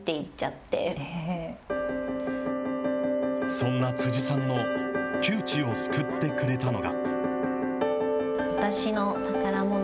そんな辻さんの窮地を救ってくれたのが。